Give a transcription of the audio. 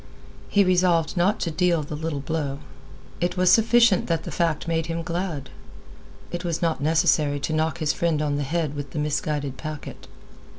He resolved not to deal the little blow. It was sufficient that the fact made him glad. It was not necessary to knock his friend on the head with the misguided packet.